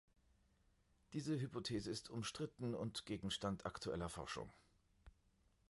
Diese Hypothese ist umstritten und Gegenstand aktueller Forschung.